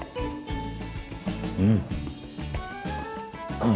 うん。